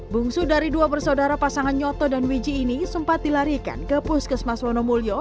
bungsu dari dua bersaudara pasangan nyoto dan wiji ini sempat dilarikan ke puskesmas wonomulyo